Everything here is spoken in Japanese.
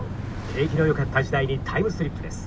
景気のよかった時代にタイムスリップです。